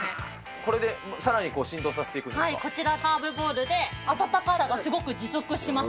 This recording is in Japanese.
これでさらに浸透させていくはい、こちらハーブボールで温かいのがすごく持続します。